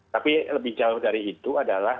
tapi lebih jauh dari itu adalah